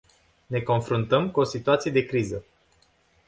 Ne confruntăm cu o situație de criză.